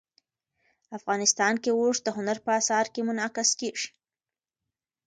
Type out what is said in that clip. افغانستان کې اوښ د هنر په اثار کې منعکس کېږي.